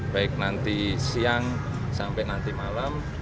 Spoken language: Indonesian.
baik nanti siang sampai nanti malam